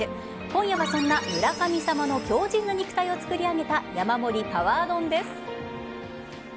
今夜はそんな村神様の強靱な肉体をつくり上げた山盛りパワー丼です。